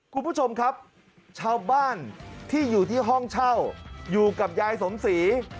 คุณผู้ชมครับชาวบ้านที่อยู่ที่ห้องเช่าอยู่กับยายสมศรี